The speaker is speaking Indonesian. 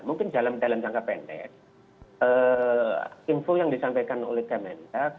mungkin dalam jangka pendek info yang disampaikan oleh kemendak